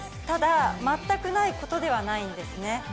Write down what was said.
ただ、全くないことではないんですね。